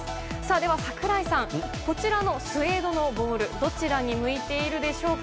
では、櫻井さんこちらのスエードのボールどちらに向いているでしょうか。